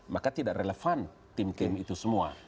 maka tidak relevan tim tim itu semua